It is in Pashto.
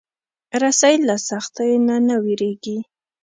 رسۍ له سختیو نه نه وېرېږي.